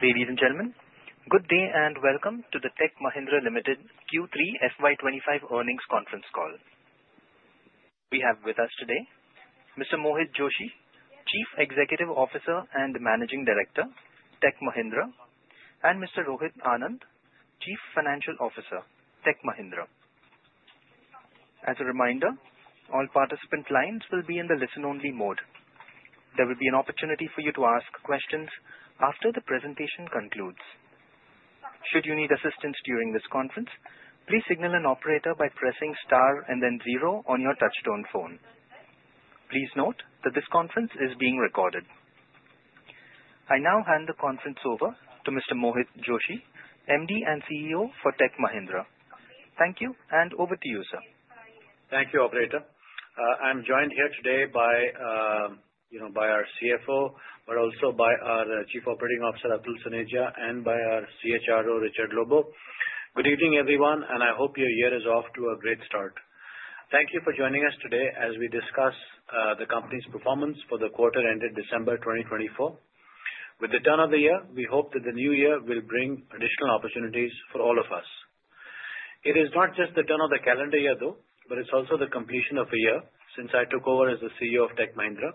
Ladies and gentlemen, good day and welcome to the Tech Mahindra Limited Q3 FY25 earnings conference call. We have with us today Mr. Mohit Joshi, Chief Executive Officer and Managing Director, Tech Mahindra, and Mr. Rohit Anand, Chief Financial Officer, Tech Mahindra. As a reminder, all participant lines will be in the listen-only mode. There will be an opportunity for you to ask questions after the presentation concludes. Should you need assistance during this conference, please signal an operator by pressing star and then zero on your touch-tone phone. Please note that this conference is being recorded. I now hand the conference over to Mr. Mohit Joshi, MD and CEO for Tech Mahindra. Thank you, and over to you, sir. Thank you, Operator. I'm joined here today by our CFO, but also by our Chief Operating Officer, Atul Soneja, and by our CHRO, Richard Lobo. Good evening, everyone, and I hope your year is off to a great start. Thank you for joining us today as we discuss the company's performance for the quarter-ended December 2024. With the turn of the year, we hope that the new year will bring additional opportunities for all of us. It is not just the turn of the calendar year, though, but it's also the completion of a year since I took over as the CEO of Tech Mahindra.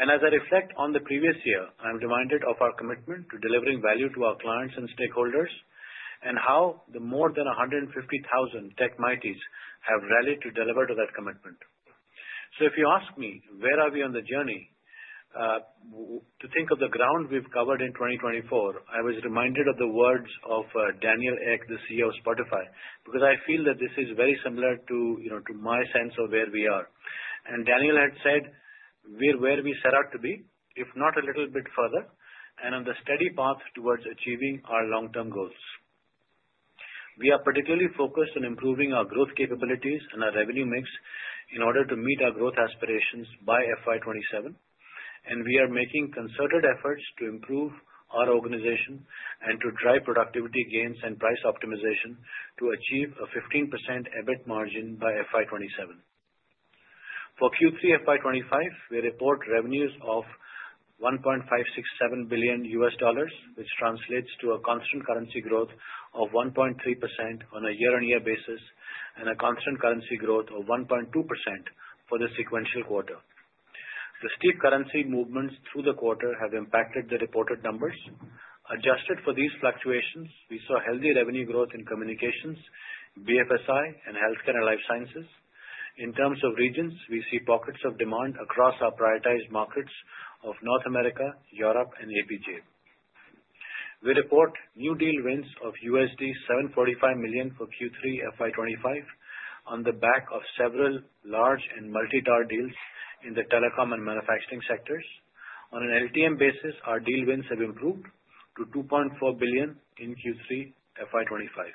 And as I reflect on the previous year, I'm reminded of our commitment to delivering value to our clients and stakeholders and how the more than 150,000 Tech Mighties have rallied to deliver to that commitment. So if you ask me where are we on the journey, to think of the ground we've covered in 2024, I was reminded of the words of Daniel Ek, the CEO of Spotify, because I feel that this is very similar to my sense of where we are, and Daniel had said, "We're where we set out to be, if not a little bit further, and on the steady path towards achieving our long-term goals." We are particularly focused on improving our growth capabilities and our revenue mix in order to meet our growth aspirations by FY27, and we are making concerted efforts to improve our organization and to drive productivity gains and price optimization to achieve a 15% EBIT margin by FY27. For Q3 FY25, we report revenues of $1.567 billion, which translates to a constant currency growth of 1.3% on a year-on-year basis and a constant currency growth of 1.2% for the sequential quarter. The steep currency movements through the quarter have impacted the reported numbers. Adjusted for these fluctuations, we saw healthy revenue growth in communications, BFSI, and healthcare and life sciences. In terms of regions, we see pockets of demand across our prioritized markets of North America, Europe, and APJ. We report new deal wins of $745 million for Q3 FY25 on the back of several large and multi-year deals in the telecom and manufacturing sectors. On an LTM basis, our deal wins have improved to $2.4 billion in Q3 FY25.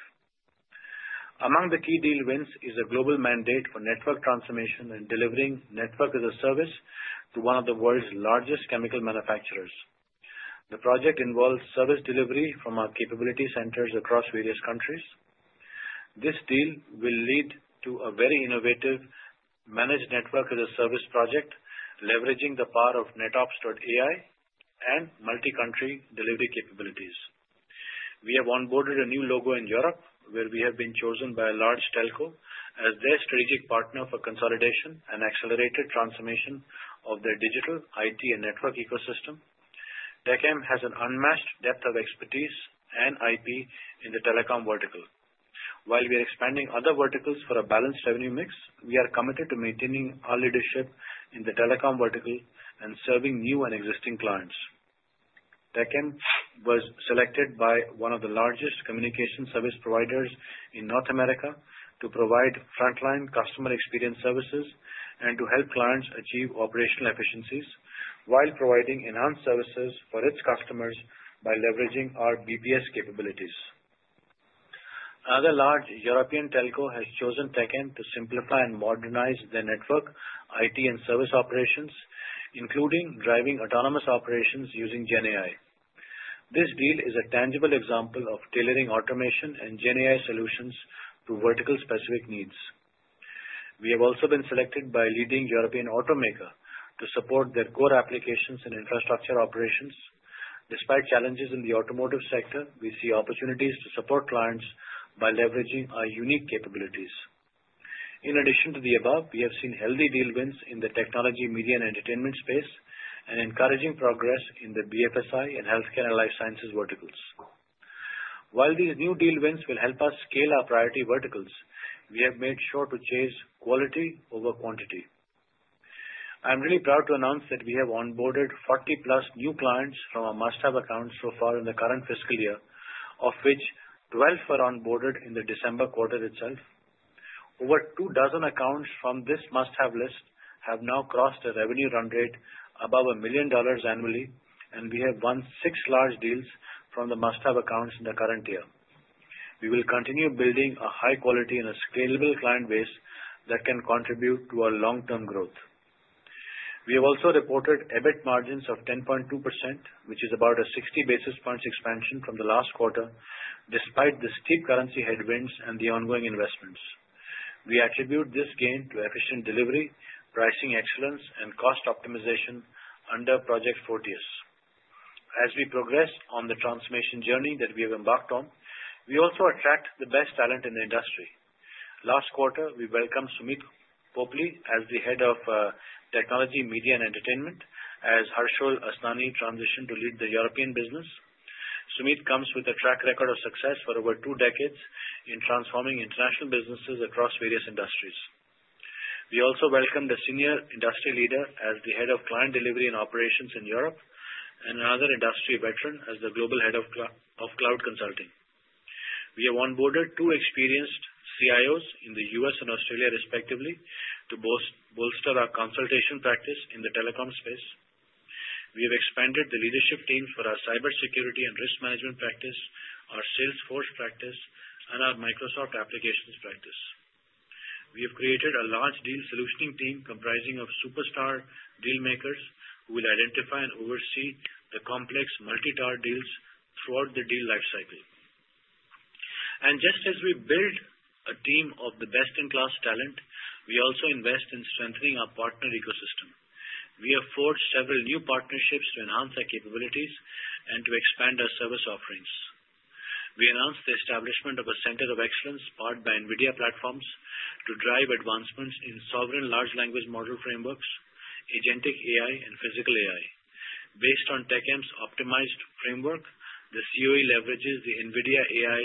Among the key deal wins is a global mandate for network transformation and delivering network as a service to one of the world's largest chemical manufacturers. The project involves service delivery from our capability centers across various countries. This deal will lead to a very innovative managed network as a service project, leveraging the power of NetOps.AI and multi-country delivery capabilities. We have onboarded a new logo in Europe, where we have been chosen by a large telco as their strategic partner for consolidation and accelerated transformation of their digital IT and network ecosystem. TechM has an unmatched depth of expertise and IP in the telecom vertical. While we are expanding other verticals for a balanced revenue mix, we are committed to maintaining our leadership in the telecom vertical and serving new and existing clients. TechM was selected by one of the largest communication service providers in North America to provide frontline customer experience services and to help clients achieve operational efficiencies while providing enhanced services for its customers by leveraging our BPS capabilities. Another large European telco has chosen TechM to simplify and modernize their network, IT, and service operations, including driving autonomous operations using GenAI. This deal is a tangible example of tailoring automation and GenAI solutions to vertical-specific needs. We have also been selected by a leading European automaker to support their core applications and infrastructure operations. Despite challenges in the automotive sector, we see opportunities to support clients by leveraging our unique capabilities. In addition to the above, we have seen healthy deal wins in the technology, media, and entertainment space and encouraging progress in the BFSI and healthcare and life sciences verticals. While these new deal wins will help us scale our priority verticals, we have made sure to chase quality over quantity. I'm really proud to announce that we have onboarded 40-plus new clients from our must-have accounts so far in the current fiscal year, of which 12 were onboarded in the December quarter itself. Over two dozen accounts from this must-have list have now crossed a revenue run rate above $1 million annually, and we have won six large deals from the must-have accounts in the current year. We will continue building a high-quality and a scalable client base that can contribute to our long-term growth. We have also reported EBIT margins of 10.2%, which is about a 60 basis points expansion from the last quarter, despite the steep currency headwinds and the ongoing investments. We attribute this gain to efficient delivery, pricing excellence, and cost optimization under Project Fortius. As we progress on the transformation journey that we have embarked on, we also attract the best talent in the industry. Last quarter, we welcomed Sumit Popli as the head of technology, media, and entertainment, as Harshul Asnani transitioned to lead the European business. Sumit comes with a track record of success for over two decades in transforming international businesses across various industries. We also welcomed a senior industry leader as the head of client delivery and operations in Europe and another industry veteran as the global head of cloud consulting. We have onboarded two experienced CIOs in the U.S. and Australia, respectively, to bolster our consultation practice in the telecom space. We have expanded the leadership team for our cybersecurity and risk management practice, our sales force practice, and our Microsoft applications practice. We have created a large deal solutioning team comprising of superstar deal makers who will identify and oversee the complex multi-tower deals throughout the deal lifecycle, and just as we build a team of the best-in-class talent, we also invest in strengthening our partner ecosystem. We have forged several new partnerships to enhance our capabilities and to expand our service offerings. We announced the establishment of a Center of Excellence powered by NVIDIA platforms to drive advancements in sovereign large language model frameworks, agentic AI, and physical AI. Based on TechM's optimized framework, the COE leverages the NVIDIA AI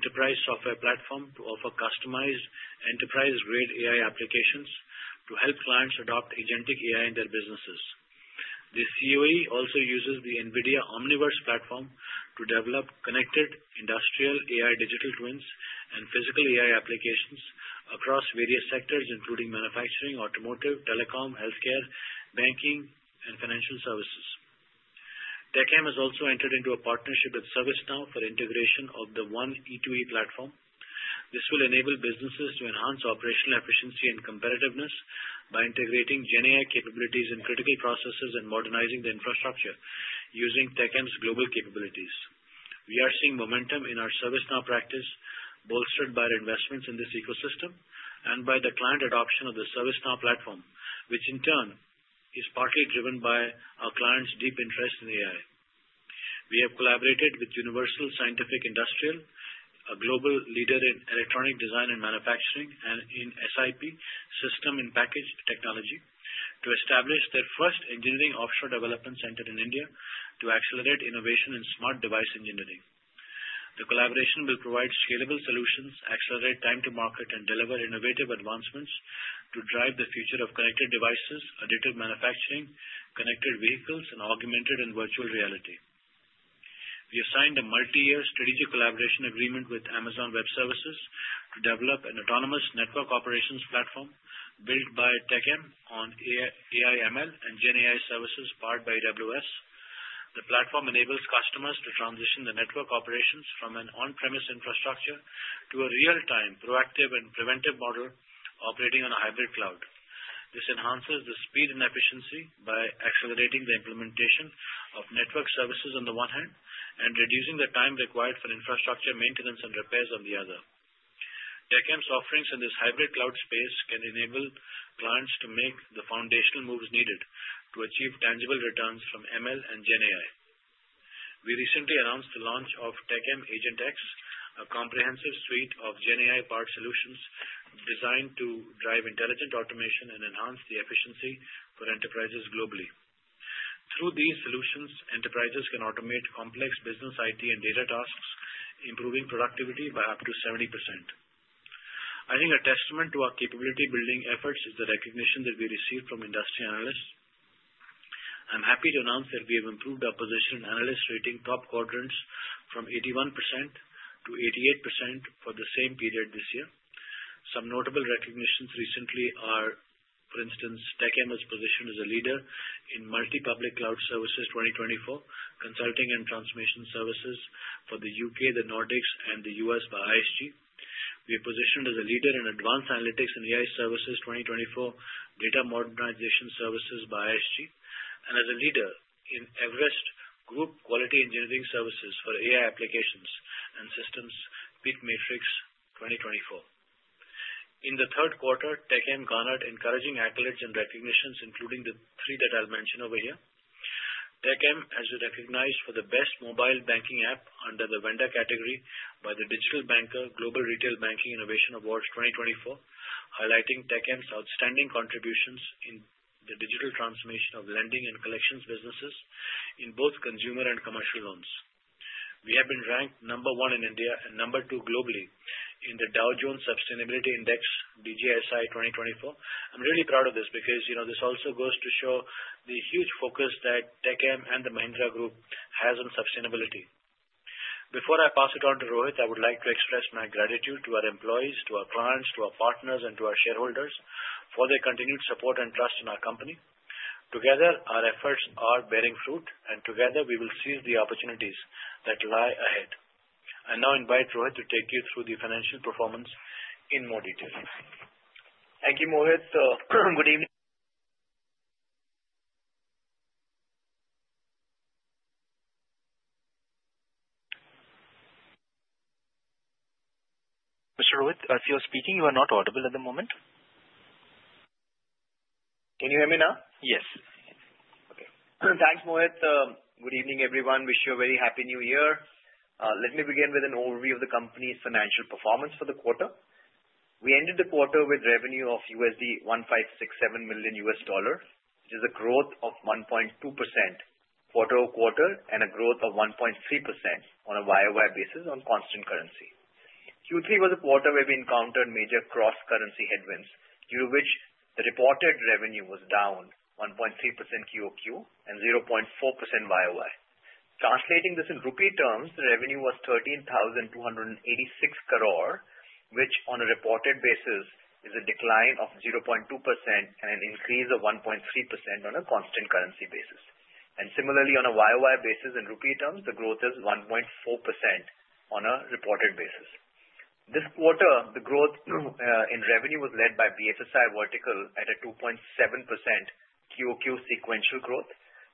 Enterprise software platform to offer customized enterprise-grade AI applications to help clients adopt agentic AI in their businesses. The COE also uses the NVIDIA Omniverse platform to develop connected industrial AI Digital Twins and physical AI applications across various sectors, including manufacturing, automotive, telecom, healthcare, banking, and financial services. TechM has also entered into a partnership with ServiceNow for integration of the One E2E platform. This will enable businesses to enhance operational efficiency and competitiveness by integrating GenAI capabilities in critical processes and modernizing the infrastructure using TechM's global capabilities. We are seeing momentum in our ServiceNow practice, bolstered by our investments in this ecosystem and by the client adoption of the ServiceNow platform, which in turn is partly driven by our client's deep interest in AI. We have collaborated with Universal Scientific Industrial, a global leader in electronic design and manufacturing, and in SiP system-in-package technology, to establish their first engineering offshore development center in India to accelerate innovation in smart device engineering. The collaboration will provide scalable solutions, accelerate time to market, and deliver innovative advancements to drive the future of connected devices, additive manufacturing, connected vehicles, and augmented and virtual reality. We have signed a multi-year strategic collaboration agreement with Amazon Web Services to develop an autonomous network operations platform built by TechM on AI/ML and GenAI services powered by AWS. The platform enables customers to transition the network operations from an on-premise infrastructure to a real-time proactive and preventive model operating on a hybrid cloud. This enhances the speed and efficiency by accelerating the implementation of network services on the one hand and reducing the time required for infrastructure maintenance and repairs on the other. TechM's offerings in this hybrid cloud space can enable clients to make the foundational moves needed to achieve tangible returns from ML and GenAI. We recently announced the launch of TechM AgentX, a comprehensive suite of GenAI-powered solutions designed to drive intelligent automation and enhance the efficiency for enterprises globally. Through these solutions, enterprises can automate complex business IT and data tasks, improving productivity by up to 70%. I think a testament to our capability-building efforts is the recognition that we received from industry analysts. I'm happy to announce that we have improved our position in analysts rating top quadrants from 81%-88% for the same period this year. Some notable recognitions recently are, for instance, TechM's position as a leader in multi-public cloud services 2024, consulting and transformation services for the U.K., the Nordics, and the U.S. by ISG. We are positioned as a leader in advanced analytics and AI services 2024, data modernization services by ISG, and as a leader in Everest Group quality engineering services for AI applications and systems, Peak Matrix 2024. In the third quarter, TechM garnered encouraging accolades and recognitions, including the three that I'll mention over here. TechM has been recognized for the best mobile banking app under the vendor category by The Digital Banker Global Retail Banking Innovation Awards 2024, highlighting TechM's outstanding contributions in the digital transformation of lending and collections businesses in both consumer and commercial loans. We have been ranked number one in India and number two globally in the Dow Jones Sustainability Index, DJSI 2024. I'm really proud of this because this also goes to show the huge focus that TechM and the Mahindra Group has on sustainability. Before I pass it on to Rohit, I would like to express my gratitude to our employees, to our clients, to our partners, and to our shareholders for their continued support and trust in our company. Together, our efforts are bearing fruit, and together, we will seize the opportunities that lie ahead. I now invite Rohit to take you through the financial performance in more detail. Thank you, Mohit. Good evening. Mr. Rohit, I see you're speaking. You are not audible at the moment. Can you hear me now? Yes. Okay. Thanks, Mohit. Good evening, everyone. Wish you a very happy new year. Let me begin with an overview of the company's financial performance for the quarter. We ended the quarter with revenue of $1,567 million, which is a growth of 1.2% quarter-over-quarter and a growth of 1.3% on a YOY basis on constant currency. Q3 was a quarter where we encountered major cross-currency headwinds, due to which the reported revenue was down 1.3% QOQ and 0.4% YOY. Translating this in rupee terms, the revenue was 13,286 crore, which on a reported basis is a decline of 0.2% and an increase of 1.3% on a constant currency basis. Similarly, on a YOY basis in rupee terms, the growth is 1.4% on a reported basis. This quarter, the growth in revenue was led by BFSI Vertical at a 2.7% QOQ sequential growth,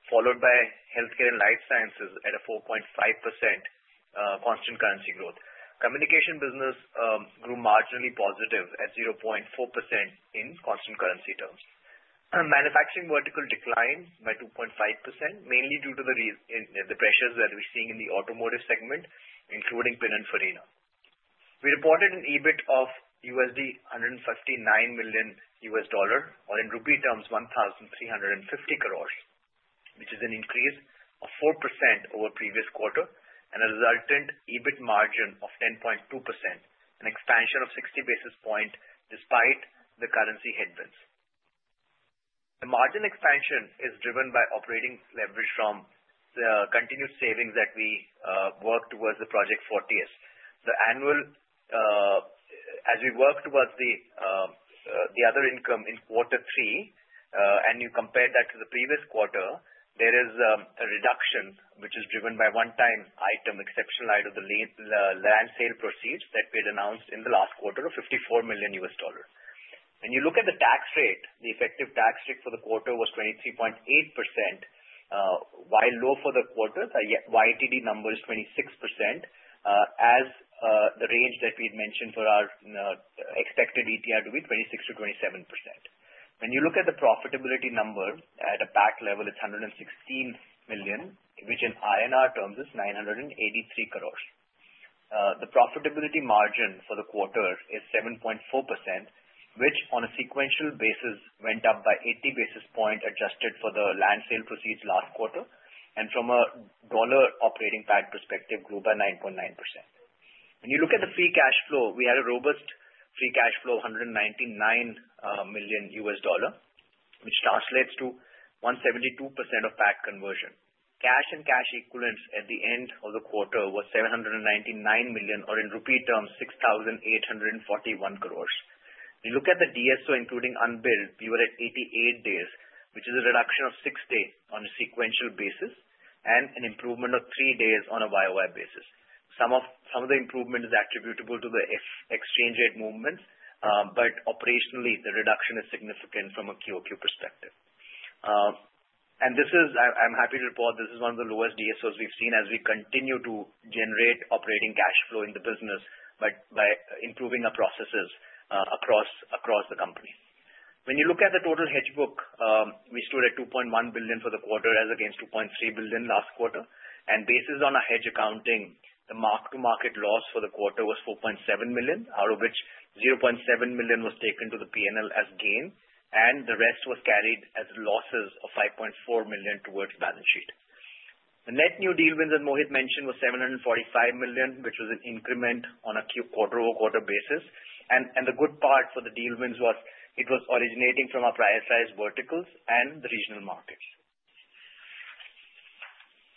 followed by healthcare and life sciences at a 4.5% constant currency growth. Communication business grew marginally positive at 0.4% in constant currency terms. Manufacturing vertical declined by 2.5%, mainly due to the pressures that we're seeing in the automotive segment, including Pininfarina. We reported an EBIT of $159 million, or in rupee terms, 1,350 crore, which is an increase of 4% over previous quarter and a resultant EBIT margin of 10.2%, an expansion of 60 basis points despite the currency headwinds. The margin expansion is driven by operating leverage from the continued savings that we worked towards the Project Fortius. As we worked towards the other income in quarter three, and you compare that to the previous quarter, there is a reduction which is driven by one-time item exceptional item of the land sale proceeds that we had announced in the last quarter of $54 million. When you look at the tax rate, the effective tax rate for the quarter was 23.8%, while low for the quarter. The YTD number is 26%, as the range that we had mentioned for our expected ETR to be 26%-27%. When you look at the profitability number at a PAT level, it's $116 million, which in INR terms is 983 crore. The profitability margin for the quarter is 7.4%, which on a sequential basis went up by 80 basis points adjusted for the land sale proceeds last quarter, and from a dollar operating PAT perspective, grew by 9.9%. When you look at the free cash flow, we had a robust free cash flow of $199 million, which translates to 172% of PAT conversion. Cash and cash equivalents at the end of the quarter were $799 million, or in rupee terms, 6,841 crore. When you look at the DSO, including unbilled, we were at 88 days, which is a reduction of 6 days on a sequential basis and an improvement of 3 days on a YOY basis. Some of the improvement is attributable to the exchange rate movements, but operationally, the reduction is significant from a QOQ perspective, and I'm happy to report this is one of the lowest DSOs we've seen as we continue to generate operating cash flow in the business by improving our processes across the company. When you look at the total hedge book, we stood at $2.1 billion for the quarter as against $2.3 billion last quarter, and based on our hedge accounting, the mark-to-market loss for the quarter was $4.7 million, out of which $0.7 million was taken to the P&L as gain, and the rest was carried as losses of $5.4 million towards balance sheet. The net new deal wins that Mohit mentioned were $745 million, which was an increment on a quarter-over-quarter basis, and the good part for the deal wins was it was originating from our prioritized verticals and the regional markets.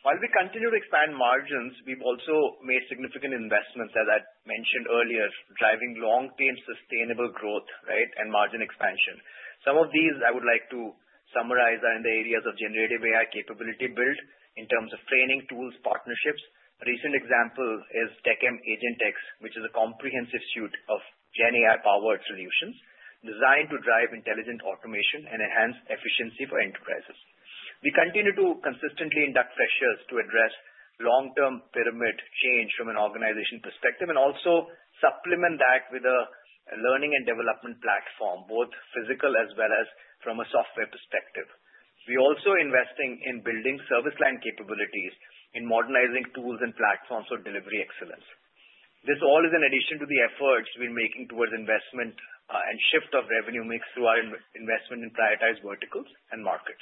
While we continue to expand margins, we've also made significant investments, as I mentioned earlier, driving long-term sustainable growth, right, and margin expansion. Some of these I would like to summarize are in the areas of generative AI capability build in terms of training tools, partnerships. A recent example is TechM Agent X, which is a comprehensive suite of GenAI-powered solutions designed to drive intelligent automation and enhance efficiency for enterprises. We continue to consistently inculcate practices to address long-term paradigm change from an organization perspective and also supplement that with a learning and development platform, both physical as well as from a software perspective. We are also investing in building service line capabilities, in modernizing tools and platforms for delivery excellence. This all is in addition to the efforts we're making towards investment and shift of revenue mix through our investment in prioritized verticals and markets.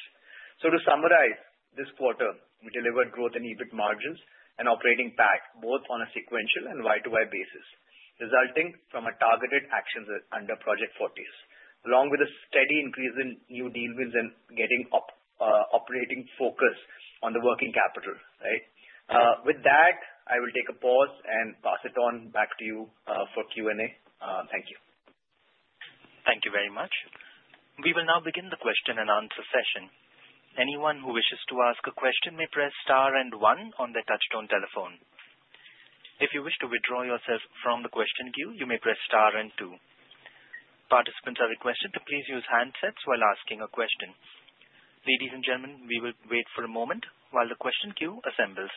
So to summarize, this quarter, we delivered growth in EBIT margins and operating cash, both on a sequential and YoY basis, resulting from our targeted actions under Project Fortius, along with a steady increase in new deal wins and getting operating focus on the working capital, right? With that, I will take a pause and pass it on back to you for Q&A. Thank you. Thank you very much. We will now begin the question and answer session. Anyone who wishes to ask a question may press star and one on their touch-tone telephone. If you wish to withdraw yourself from the question queue, you may press star and two. Participants are requested to please use handsets while asking a question. Ladies and gentlemen, we will wait for a moment while the question queue assembles.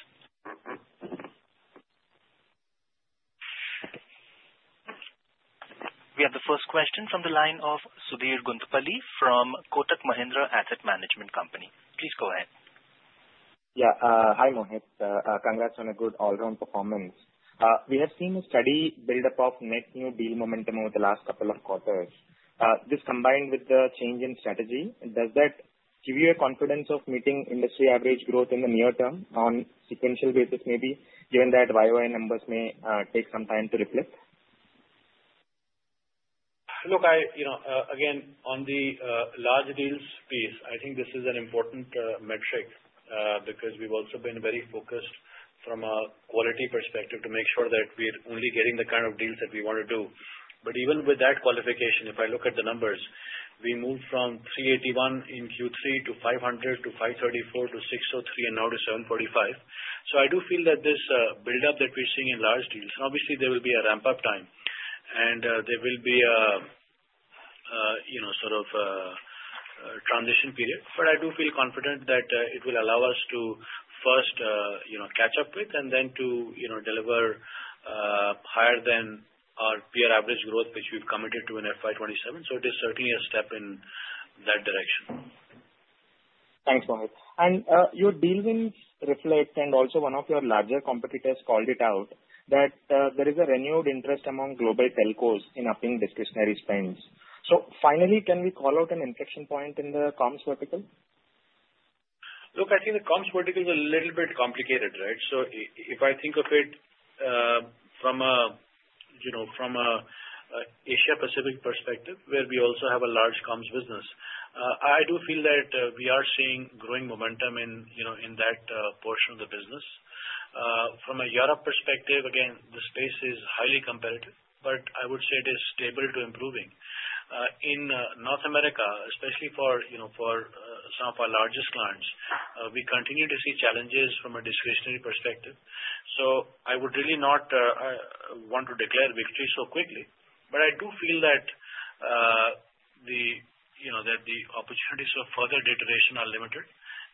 We have the first question from the line of Sudhir Guntupalli from Kotak Mahindra Asset Management Company. Please go ahead. Yeah. Hi, Mohit. Congrats on a good all-round performance. We have seen a steady build-up of net new deal momentum over the last couple of quarters. This combined with the change in strategy, does that give you a confidence of meeting industry average growth in the near term on a sequential basis, maybe, given that YOI numbers may take some time to reflect? Look, again, on the large deals piece, I think this is an important metric because we've also been very focused from a quality perspective to make sure that we're only getting the kind of deals that we want to do. But even with that qualification, if I look at the numbers, we moved from 381 in Q3 to 500 to 534 to 603 and now to 745. So I do feel that this build-up that we're seeing in large deals, and obviously, there will be a ramp-up time, and there will be a sort of transition period. But I do feel confident that it will allow us to first catch up with and then to deliver higher than our peer average growth, which we've committed to in FY27. So it is certainly a step in that direction. Thanks, Mohit. And your deal wins reflect, and also one of your larger competitors called it out, that there is a renewed interest among global telcos in upping discretionary spends. So finally, can we call out an inflection point in the comms vertical? Look, I think the comms vertical is a little bit complicated, right? So if I think of it from an Asia-Pacific perspective, where we also have a large comms business, I do feel that we are seeing growing momentum in that portion of the business. From a Europe perspective, again, the space is highly competitive, but I would say it is stable to improving. In North America, especially for some of our largest clients, we continue to see challenges from a discretionary perspective. So I would really not want to declare victory so quickly, but I do feel that the opportunities for further deterioration are limited,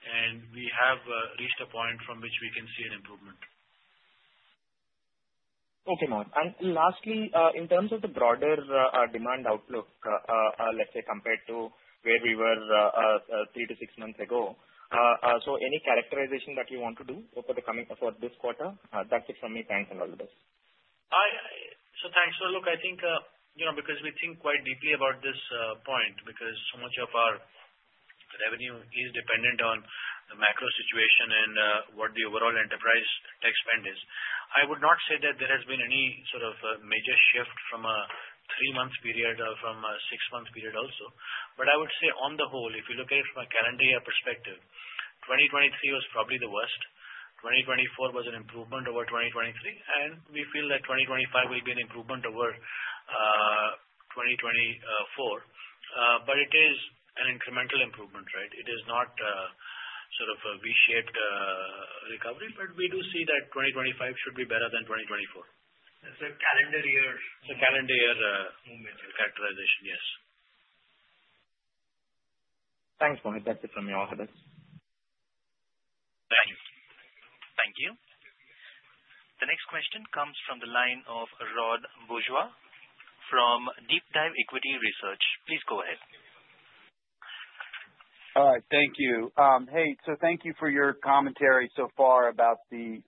and we have reached a point from which we can see an improvement. Okay, Mohit. And lastly, in terms of the broader demand outlook, let's say compared to where we were three to six months ago, so any characterization that you want to do for this quarter? That's it from me. Thanks, Anand. So thanks. So look, I think because we think quite deeply about this point, because so much of our revenue is dependent on the macro situation and what the overall enterprise tech spend is, I would not say that there has been any sort of major shift from a three-month period or from a six-month period also. But I would say on the whole, if you look at it from a calendar year perspective, 2023 was probably the worst. 2024 was an improvement over 2023, and we feel that 2025 will be an improvement over 2024. But it is an incremental improvement, right? It is not sort of a V-shaped recovery, but we do see that 2025 should be better than 2024. It's a calendar year characterization. Yes. Thanks, Mohit. That's it from me. All the best. Thank you. The next question comes from the line of Rod Bajwa from Deep Dive Equity Research. Please go ahead. All right. Thank you. Hey, so thank you for your commentary so far about the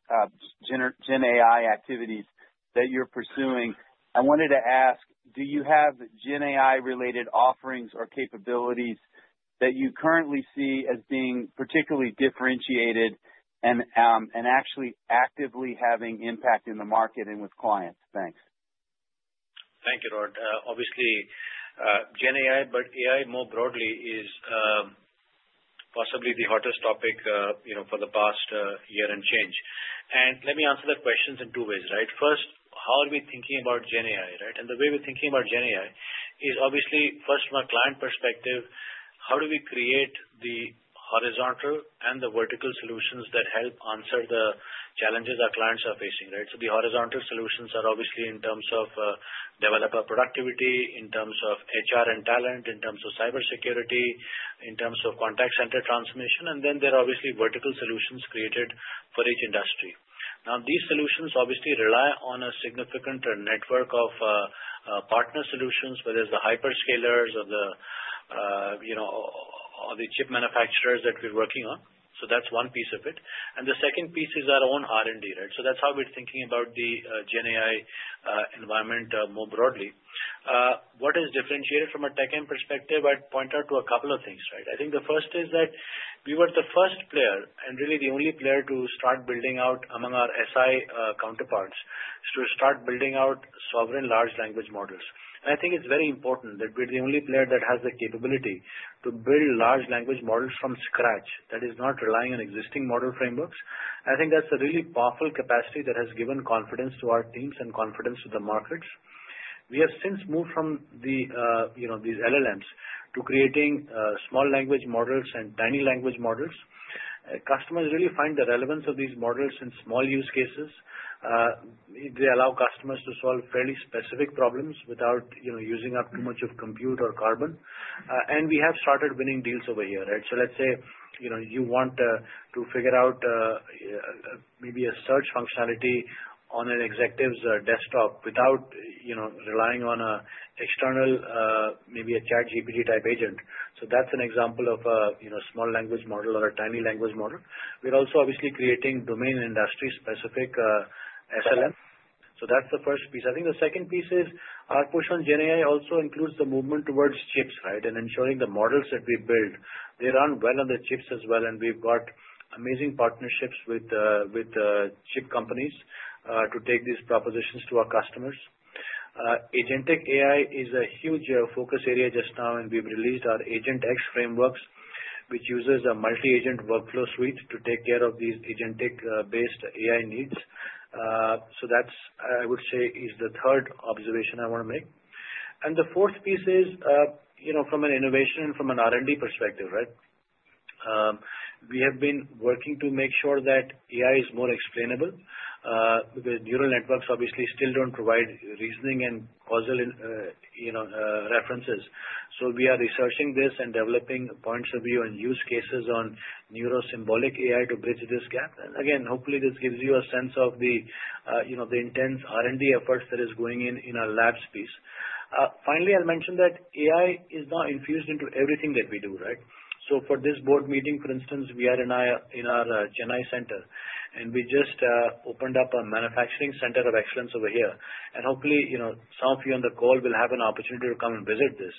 GenAI activities that you're pursuing. I wanted to ask, do you have GenAI-related offerings or capabilities that you currently see as being particularly differentiated and actually actively having impact in the market and with clients? Thanks. Thank you, Rohit. Obviously, GenAI, but AI more broadly, is possibly the hottest topic for the past year and change. And let me answer the questions in two ways, right? First, how are we thinking about GenAI, right? And the way we're thinking about GenAI is obviously, first, from a client perspective, how do we create the horizontal and the vertical solutions that help answer the challenges our clients are facing, right? So the horizontal solutions are obviously in terms of developer productivity, in terms of HR and talent, in terms of cybersecurity, in terms of contact center transformation, and then there are obviously vertical solutions created for each industry. Now, these solutions obviously rely on a significant network of partner solutions, whether it's the hyperscalers or the chip manufacturers that we're working on. So that's one piece of it. And the second piece is our own R&D, right? So that's how we're thinking about the GenAI environment more broadly. What is differentiated from a tech end perspective, I'd point out to a couple of things, right? I think the first is that we were the first player and really the only player to start building out among our SI counterparts to start building out sovereign large language models. And I think it's very important that we're the only player that has the capability to build large language models from scratch that is not relying on existing model frameworks. I think that's a really powerful capacity that has given confidence to our teams and confidence to the markets. We have since moved from these LLMs to creating small language models and tiny language models. Customers really find the relevance of these models in small use cases. They allow customers to solve fairly specific problems without using up too much of compute or carbon. And we have started winning deals over here, right? So let's say you want to figure out maybe a search functionality on an executive's desktop without relying on an external, maybe a ChatGPT-type agent. So that's an example of a small language model or a tiny language model. We're also obviously creating domain industry-specific SLMs. So that's the first piece. I think the second piece is our push on GenAI also includes the movement towards chips, right, and ensuring the models that we build, they run well on the chips as well. And we've got amazing partnerships with chip companies to take these propositions to our customers. Agentic AI is a huge focus area just now, and we've released our Agent X frameworks, which uses a multi-agent workflow suite to take care of these agentic-based AI needs. So that's, I would say, is the third observation I want to make. And the fourth piece is from an innovation and from an R&D perspective, right? We have been working to make sure that AI is more explainable because neural networks obviously still don't provide reasoning and causal references. So we are researching this and developing points of view and use cases on Neurosymbolic AI to bridge this gap. And again, hopefully, this gives you a sense of the intense R&D efforts that are going on in our lab space. Finally, I'll mention that AI is now infused into everything that we do, right? So for this board meeting, for instance, we are in our GenAI Center, and we just opened up a manufacturing Center of Excellence over here. And hopefully, some of you on the call will have an opportunity to come and visit this.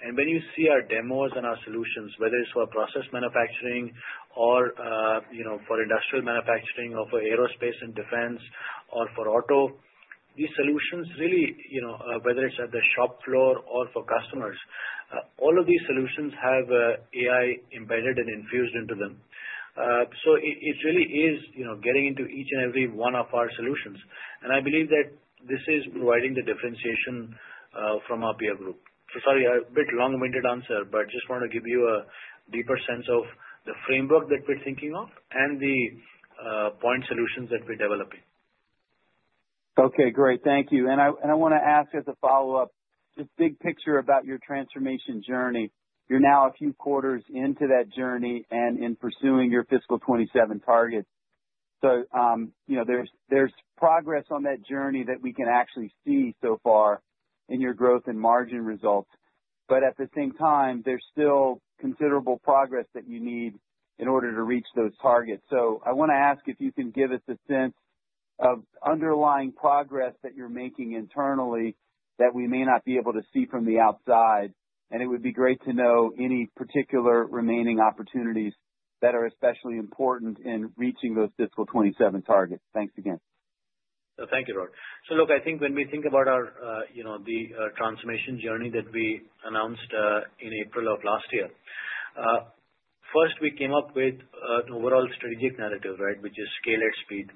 And when you see our demos and our solutions, whether it's for process manufacturing or for industrial manufacturing or for aerospace and defense or for auto, these solutions really, whether it's at the shop floor or for customers, all of these solutions have AI embedded and infused into them. So it really is getting into each and every one of our solutions. And I believe that this is providing the differentiation from our peer group. So sorry, a bit long-winded answer, but just wanted to give you a deeper sense of the framework that we're thinking of and the point solutions that we're developing. Okay. Great. Thank you. And I want to ask as a follow-up, just big picture about your transformation journey. You're now a few quarters into that journey and in pursuing your fiscal 2027 target. So there's progress on that journey that we can actually see so far in your growth and margin results. But at the same time, there's still considerable progress that you need in order to reach those targets. So, I want to ask if you can give us a sense of underlying progress that you're making internally that we may not be able to see from the outside. And it would be great to know any particular remaining opportunities that are especially important in reaching those fiscal 2027 targets. Thanks again. Thank you, Rohit. So look, I think when we think about the transformation journey that we announced in April of last year, first, we came up with an overall strategic narrative, right, which is scale at speed.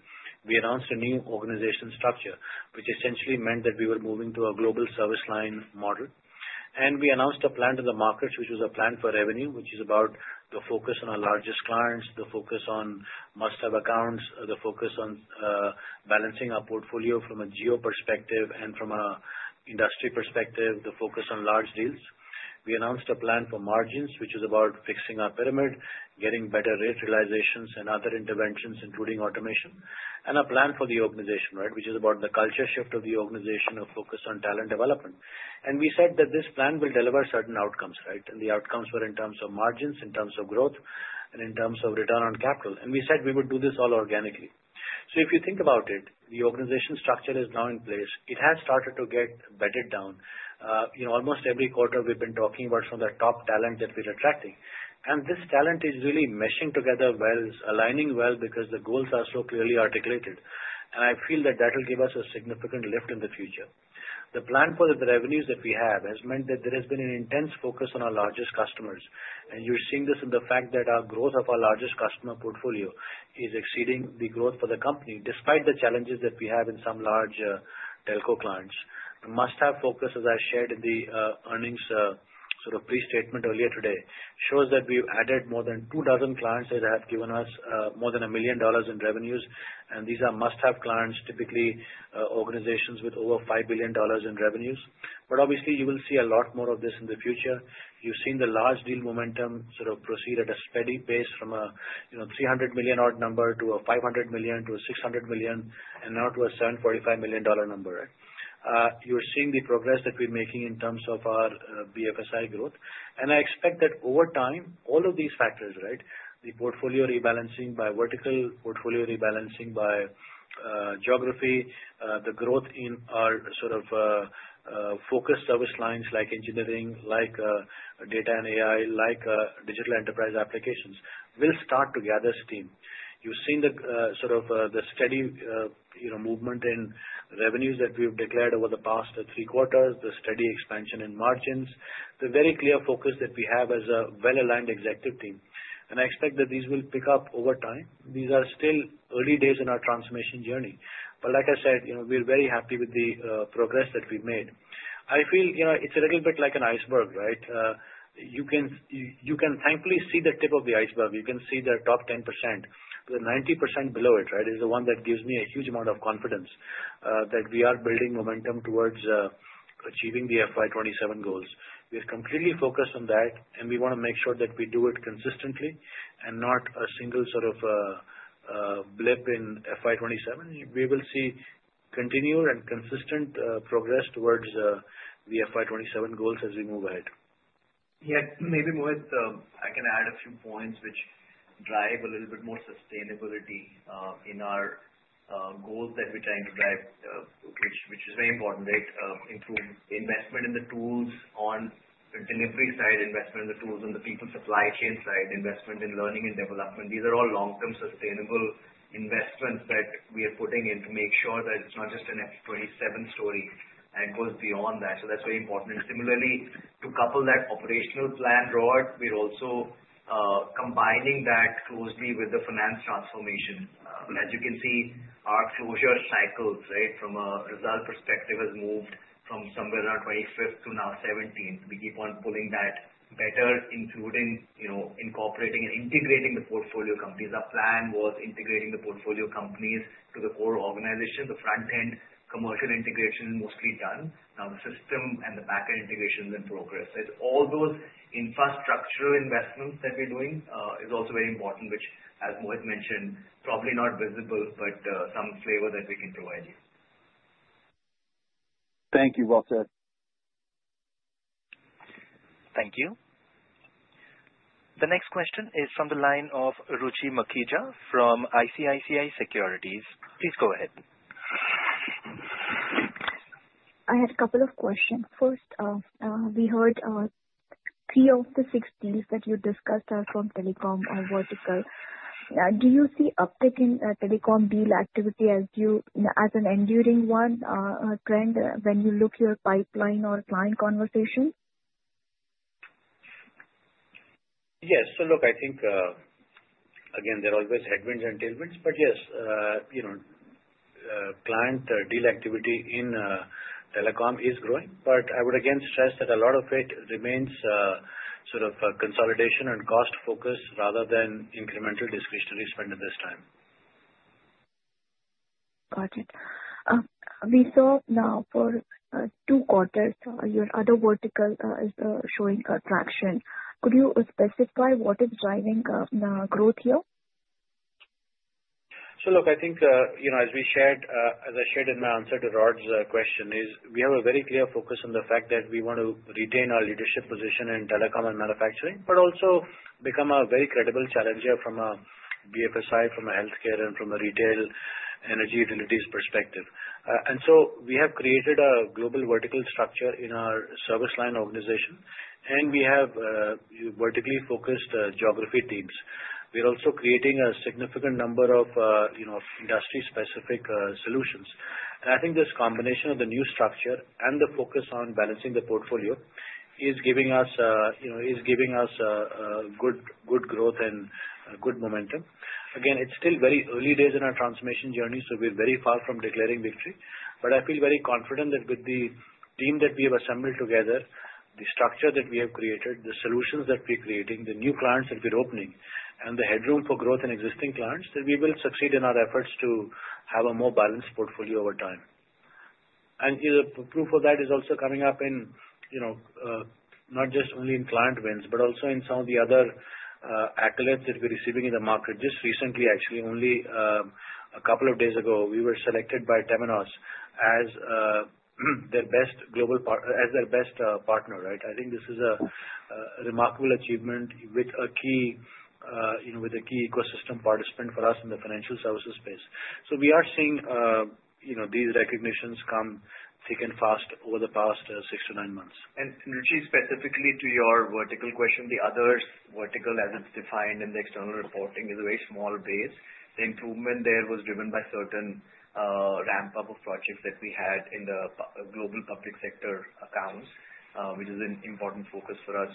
We announced a new organization structure, which essentially meant that we were moving to a global service line model. We announced a plan to the markets, which was a plan for revenue, which is about the focus on our largest clients, the focus on must-have accounts, the focus on balancing our portfolio from a geo perspective and from an industry perspective, the focus on large deals. We announced a plan for margins, which is about fixing our pyramid, getting better rate realizations, and other interventions, including automation, and a plan for the organization, right, which is about the culture shift of the organization, a focus on talent development. We said that this plan will deliver certain outcomes, right? The outcomes were in terms of margins, in terms of growth, and in terms of return on capital. We said we would do this all organically. If you think about it, the organization structure is now in place. It has started to get bedded down. Almost every quarter, we've been talking about some of the top talent that we're attracting, and this talent is really meshing together well, is aligning well because the goals are so clearly articulated, and I feel that that will give us a significant lift in the future. The plan for the revenues that we have has meant that there has been an intense focus on our largest customers, and you're seeing this in the fact that our growth of our largest customer portfolio is exceeding the growth for the company, despite the challenges that we have in some large telco clients. The must-have focus, as I shared in the earnings sort of pre-statement earlier today, shows that we've added more than two dozen clients that have given us more than $1 million in revenues, and these are must-have clients, typically organizations with over $5 billion in revenues. Obviously, you will see a lot more of this in the future. You've seen the large deal momentum sort of proceed at a steady pace from a $300 million-odd number to a $500 million to a $600 million and now to a $745 million number, right? You're seeing the progress that we're making in terms of our BFSI growth. I expect that over time, all of these factors, right, the portfolio rebalancing by vertical, portfolio rebalancing by geography, the growth in our sort of focused service lines like engineering, like data and AI, like digital enterprise applications, will start to gather steam. You've seen sort of the steady movement in revenues that we've declared over the past three quarters, the steady expansion in margins, the very clear focus that we have as a well-aligned executive team. I expect that these will pick up over time. These are still early days in our transformation journey. But like I said, we're very happy with the progress that we've made. I feel it's a little bit like an iceberg, right? You can thankfully see the tip of the iceberg. You can see the top 10%. The 90% below it, right, is the one that gives me a huge amount of confidence that we are building momentum towards achieving the FY27 goals. We're completely focused on that, and we want to make sure that we do it consistently and not a single sort of blip in FY27. We will see continued and consistent progress towards the FY27 goals as we move ahead. Yeah. Maybe, Mohit, I can add a few points which drive a little bit more sustainability in our goals that we're trying to drive, which is very important, right? Investment in the tools on the delivery side, investment in the tools on the people supply chain side, investment in learning and development. These are all long-term sustainable investments that we are putting in to make sure that it's not just an F27 story and goes beyond that. So that's very important. And similarly, to couple that operational plan, Rohit, we're also combining that closely with the finance transformation. As you can see, our closure cycles, right, from a result perspective has moved from somewhere around 25th to now 17th. We keep on pulling that better, including incorporating and integrating the portfolio companies. Our plan was integrating the portfolio companies to the core organization, the front-end commercial integration mostly done. Now, the system and the back-end integration is in progress. All those infrastructure investments that we're doing are also very important, which, as Mohit mentioned, probably not visible, but some flavor that we can provide you. Thank you, Walter. Thank you. The next question is from the line of Ruchi Mukhija from ICICI Securities. Please go ahead. I had a couple of questions. First, we heard three of the six deals that you discussed are from telecom or vertical. Do you see uptick in telecom deal activity as an enduring one trend when you look at your pipeline or client conversation? Yes. So look, I think, again, there are always headwinds and tailwinds. But yes, client deal activity in telecom is growing. But I would, again, stress that a lot of it remains sort of consolidation and cost focus rather than incremental discretionary spend at this time. Got it. We saw now for two quarters, your other vertical is showing traction. Could you specify what is driving growth here? So look, I think, as we shared in my answer to Rohit's question, we have a very clear focus on the fact that we want to retain our leadership position in telecom and manufacturing, but also become a very credible challenger from a BFSI, from a healthcare, and from a retail energy-related perspective. And so we have created a global vertical structure in our service line organization, and we have vertically focused geography teams. We're also creating a significant number of industry-specific solutions. And I think this combination of the new structure and the focus on balancing the portfolio is giving us good growth and good momentum. Again, it's still very early days in our transformation journey, so we're very far from declaring victory. I feel very confident that with the team that we have assembled together, the structure that we have created, the solutions that we're creating, the new clients that we're opening, and the headroom for growth in existing clients, that we will succeed in our efforts to have a more balanced portfolio over time. Proof of that is also coming up in not just only in client wins, but also in some of the other accolades that we're receiving in the market. Just recently, actually, only a couple of days ago, we were selected by Temenos as their best global partner, right? I think this is a remarkable achievement with a key ecosystem participant for us in the financial services space. We are seeing these recognitions come thick and fast over the past six to nine months. Ruchi, specifically to your vertical question, the other vertical, as it's defined in the external reporting, is a very small base. The improvement there was driven by certain ramp-up of projects that we had in the global public sector accounts, which is an important focus for us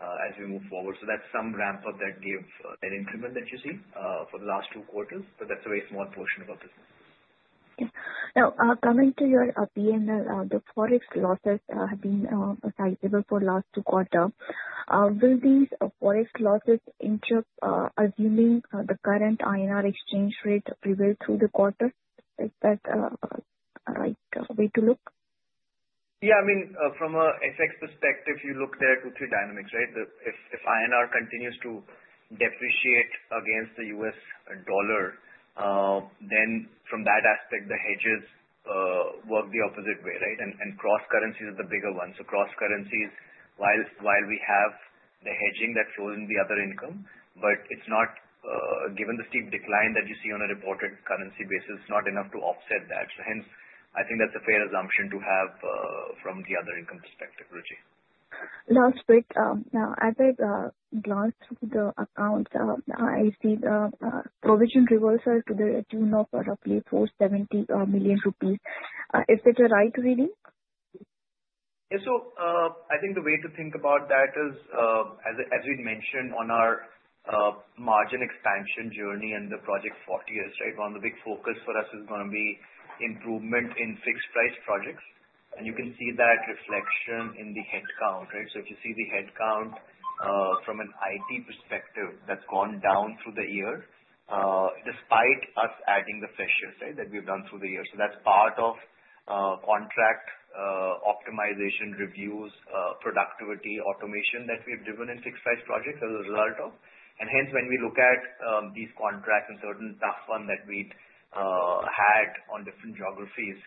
as we move forward. So that's some ramp-up that gave an increment that you see for the last two quarters. But that's a very small portion of our business. Now, coming to your P&L, the forex losses have been sizable for the last two quarters. Will these forex losses interrupt assuming the current INR exchange rate prevail through the quarter? Is that the right way to look? Yeah. I mean, from an FX perspective, you look there at two-three dynamics, right? If INR continues to depreciate against the U.S. dollar, then from that aspect, the hedges work the opposite way, right? And cross currencies are the bigger ones. So cross currencies, while we have the hedging that's rolling the other income, but it's not, given the steep decline that you see on a reported currency basis, it's not enough to offset that. So hence, I think that's a fair assumption to have from the other income perspective, Ruchi. Last bit. Now, as I glance through the accounts, I see the provision reversal to the June of roughly 470 million rupees. Is that right, Ruchi? Yeah. So I think the way to think about that is, as we mentioned, on our margin expansion journey and the Project Fortius, right, one of the big focuses for us is going to be improvement in fixed-price projects. And you can see that reflection in the headcount, right? So if you see the headcount from an IT perspective, that's gone down through the year despite us adding the fresh shift, right, that we've done through the year. So that's part of contract optimization reviews, productivity automation that we've driven in fixed-price projects as a result of. And hence, when we look at these contracts and certain tough ones that we'd had on different geographies,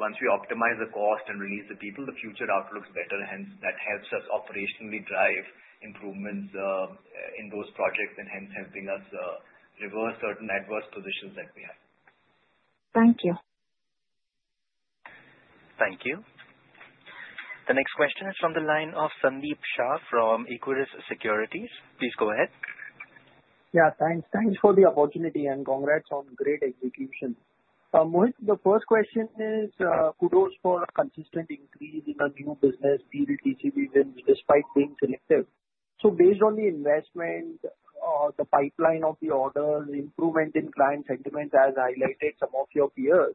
once we optimize the cost and release the people, the future outlook's better. Hence, that helps us operationally drive improvements in those projects and hence helping us reverse certain adverse positions that we have. Thank you. Thank you. The next question is from the line of Sandeep Shah from Equirus Securities. Please go ahead. Yeah. Thanks. Thanks for the opportunity and congrats on great execution. Mohit, the first question is kudos for a consistent increase in the new business pure TCV wins despite being selective. So based on the investment, the pipeline of the orders, improvement in client sentiments as highlighted some of your peers,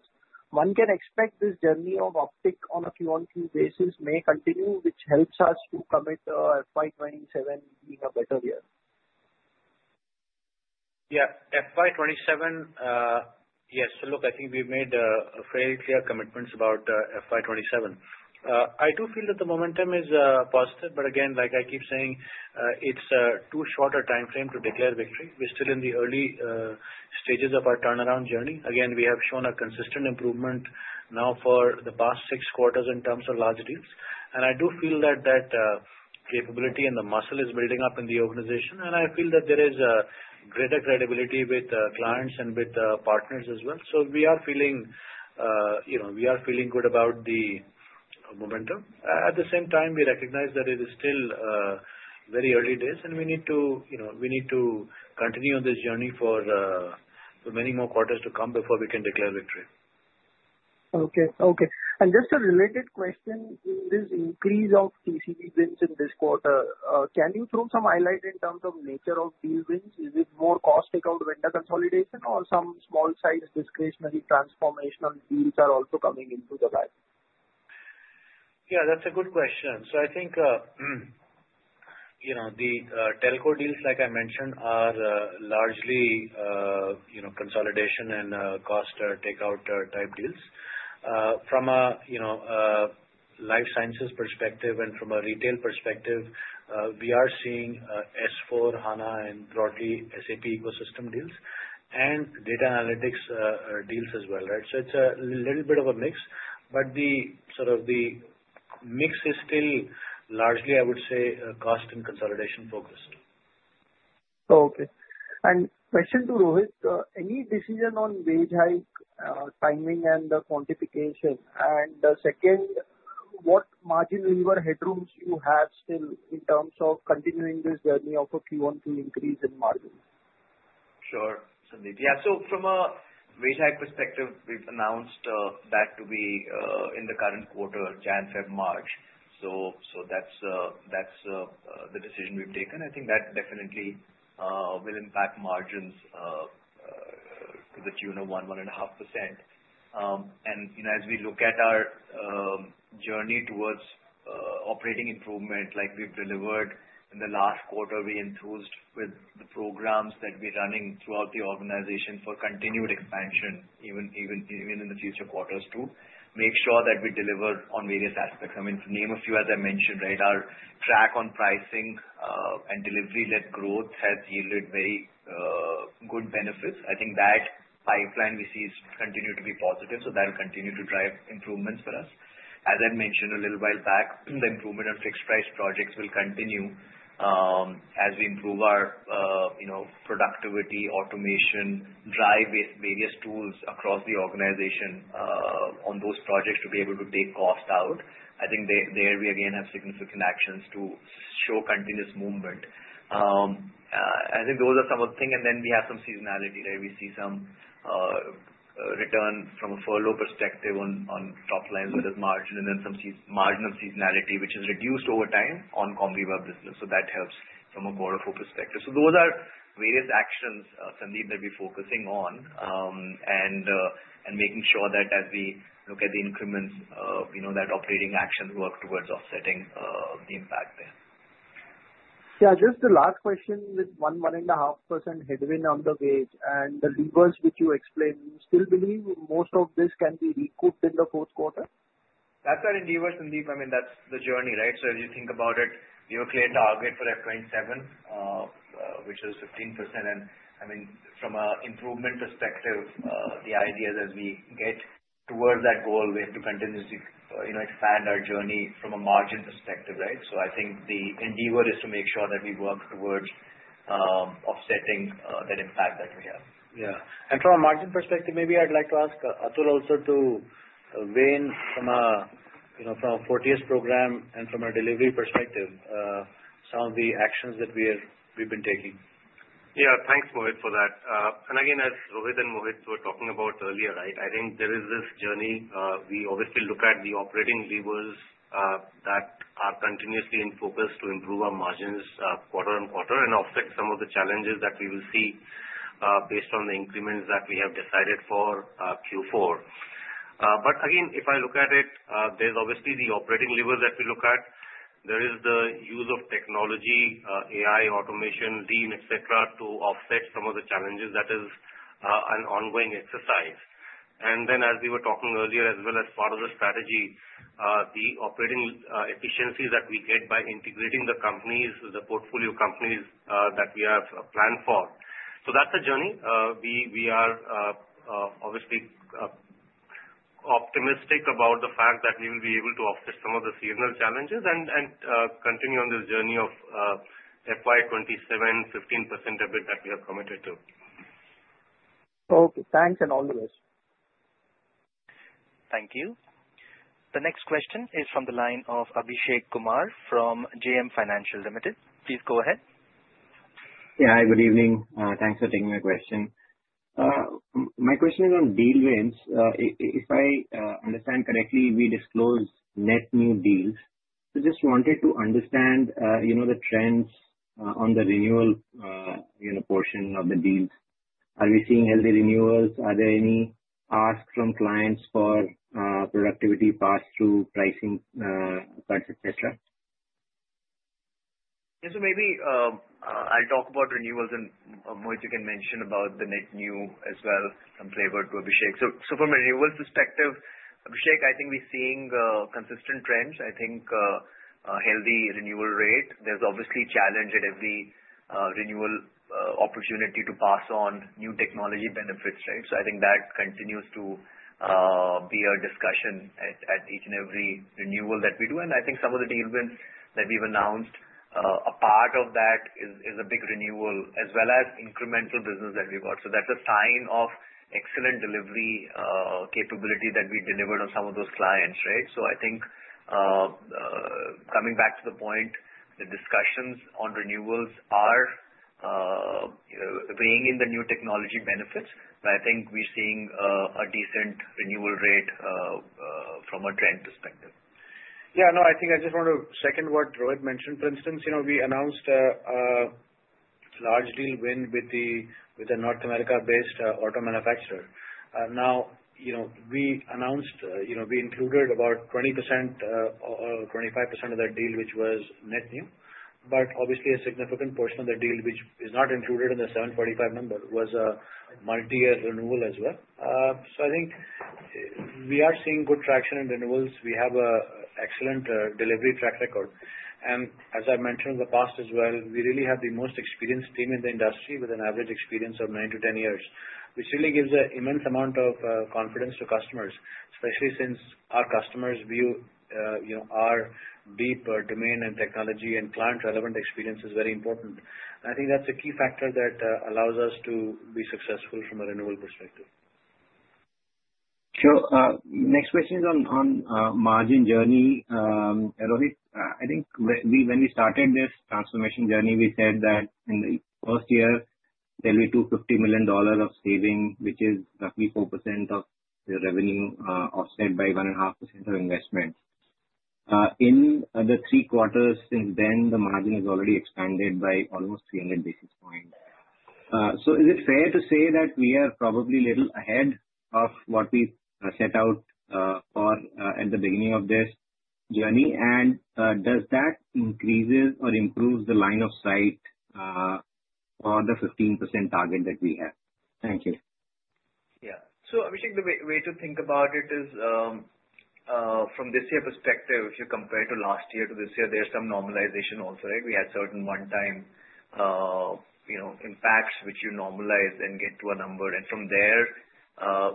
one can expect this journey of uptick on a Q1-Q basis may continue, which helps us to commit FY27 being a better year. Yeah. FY27, yes. So look, I think we've made fairly clear commitments about FY27. I do feel that the momentum is positive. But again, like I keep saying, it's too short a timeframe to declare victory. We're still in the early stages of our turnaround journey. Again, we have shown a consistent improvement now for the past six quarters in terms of large deals. And I do feel that that capability and the muscle is building up in the organization. And I feel that there is greater credibility with clients and with partners as well. So we are feeling good about the momentum. At the same time, we recognize that it is still very early days, and we need to continue on this journey for many more quarters to come before we can declare victory. Okay. Okay. And just a related question, this increase of TCP wins in this quarter, can you throw some highlight in terms of nature of these wins? Is it more cost takeout vendor consolidation or some small-sized discretionary transformational deals are also coming into the line? Yeah. That's a good question. So I think the telco deals, like I mentioned, are largely consolidation and cost takeout type deals. From a life sciences perspective and from a retail perspective, we are seeing S/4HANA, and broadly SAP ecosystem deals and data analytics deals as well, right? So it's a little bit of a mix. Sort of the mix is still largely, I would say, cost and consolidation focused. Okay. Question to Rohit: any decision on wage hike timing and the quantification? And second, what margin lever headrooms do you have still in terms of continuing this journey of a Q1-Q increase in margins? Sure. Sandeep. Yeah. So from a wage hike perspective, we've announced that to be in the current quarter, January, February, March. So that's the decision we've taken. I think that definitely will impact margins to the tune of 1-1.5%. And as we look at our journey towards operating improvement, like we've delivered in the last quarter, we are enthused with the programs that we're running throughout the organization for continued expansion even in the future quarters to make sure that we deliver on various aspects. I mean, to name a few, as I mentioned, right, our track on pricing and delivery-led growth has yielded very good benefits. I think that pipeline we see is continuing to be positive. So that will continue to drive improvements for us. As I mentioned a little while back, the improvement on fixed-price projects will continue as we improve our productivity, automation, drive various tools across the organization on those projects to be able to take cost out. I think there, we again have significant actions to show continuous movement. I think those are some of the things. And then we have some seasonality, right? We see some return from a furlough perspective on top lines, whether it's margin, and then some margin of seasonality, which is reduced over time on commonly web business. So that helps from a quarter four perspective. So those are various actions, Sandeep, that we're focusing on and making sure that as we look at the increments, that operating actions work towards offsetting the impact there. Yeah. Just the last question with 1.5% headwind on the wage and the levers which you explained. Do you still believe most of this can be recouped in the fourth quarter? That's not in levers, Sandeep. I mean, that's the journey, right? So if you think about it, we have a clear target for F27, which is 15%. And I mean, from an improvement perspective, the idea is as we get towards that goal, we have to continuously expand our journey from a margin perspective, right? So I think the endeavor is to make sure that we work towards offsetting that impact that we have. Yeah. And from a margin perspective, maybe I'd like to ask Atul also to weigh in from a Fortius program and from a delivery perspective, some of the actions that we've been taking. Yeah. Thanks, Mohit, for that. And again, as Rohit and Mohit were talking about earlier, right, I think there is this journey. We obviously look at the operating levers that are continuously in focus to improve our margins quarter on quarter and offset some of the challenges that we will see based on the increments that we have decided for Q4. But again, if I look at it, there's obviously the operating levers that we look at. There is the use of technology, AI, automation, lean, etc., to offset some of the challenges that is an ongoing exercise. And then, as we were talking earlier, as well as part of the strategy, the operating efficiencies that we get by integrating the companies, the portfolio companies that we have planned for. So that's the journey. We are obviously optimistic about the fact that we will be able to offset some of the seasonal challenges and continue on this journey of FY27 15% EBIT that we have committed to. Okay. Thanks and all the best. Thank you. The next question is from the line of Abhishek Kumar from JM Financial Limited. Please go ahead. Yeah. Hi. Good evening. Thanks for taking my question. My question is on deal wins. If I understand correctly, we disclose net new deals. So just wanted to understand the trends on the renewal portion of the deals. Are we seeing healthy renewals? Are there any asks from clients for productivity pass-through pricing cuts, etc.? Yeah. So maybe I'll talk about renewals, and Mohit, you can mention about the net new as well from flavor to Abhishek. So from a renewal perspective, Abhishek, I think we're seeing consistent trends. I think healthy renewal rate. There's obviously challenge at every renewal opportunity to pass on new technology benefits, right? So I think that continues to be a discussion at each and every renewal that we do. And I think some of the deal wins that we've announced, a part of that is a big renewal as well as incremental business that we've got. So that's a sign of excellent delivery capability that we delivered on some of those clients, right? So I think coming back to the point, the discussions on renewals are weighing in the new technology benefits. But I think we're seeing a decent renewal rate from a trend perspective. Yeah. No, I think I just want to second what Rohit mentioned. For instance, we announced a large deal win with a North America-based auto manufacturer. Now, we announced we included about 20% or 25% of that deal, which was net new. But obviously, a significant portion of the deal, which is not included in the 745 number, was a multi-year renewal as well. So I think we are seeing good traction in renewals. We have an excellent delivery track record. And as I mentioned in the past as well, we really have the most experienced team in the industry with an average experience of 9-10 years, which really gives an immense amount of confidence to customers, especially since our customers view our deep domain and technology and client-relevant experience as very important. And I think that's a key factor that allows us to be successful from a renewal perspective. Sure. Next question is on margin journey. Rohit, I think when we started this transformation journey, we said that in the first year, there'll be $250 million of saving, which is roughly 4% of the revenue offset by 1.5% of investment. In the three quarters since then, the margin has already expanded by almost 300 basis points. So is it fair to say that we are probably a little ahead of what we set out for at the beginning of this journey? And does that increase or improve the line of sight for the 15% target that we have? Thank you. Yeah. So Abhishek, the way to think about it is from this year perspective, if you compare to last year to this year, there's some normalization also, right? We had certain one-time impacts, which you normalize and get to a number. And from there,